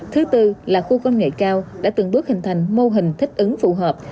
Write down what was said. thứ tư là khu công nghệ cao đã từng bước hình thành mô hình thích ứng phù hợp